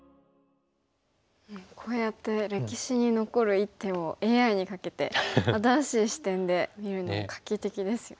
こうやって歴史に残る一手をＡＩにかけて新しい視点で見るのも画期的ですよね。